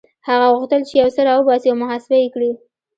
هغه غوښتل چې يو څه را وباسي او محاسبه يې کړي.